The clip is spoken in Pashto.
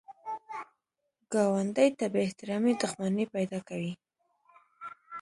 ګاونډي ته بې احترامي دښمني پیدا کوي